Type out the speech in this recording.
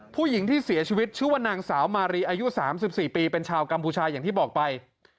ผู้หญิงที่เสียชีวิตชื่อว่านางสาวมารีอายุ๓๔ปีเป็นชาวกัมพูชาอย่างที่บอกไป